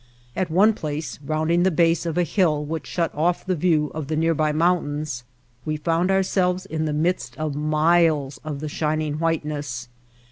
At one place, rounding the base of a hill which shut off the view of the nearby mountains, we found ourselves in the midst of miles of the shining whiteness.